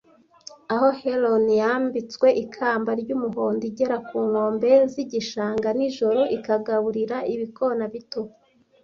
Aho heron yambitswe ikamba ry'umuhondo igera ku nkombe z'igishanga nijoro ikagaburira ibikona bito,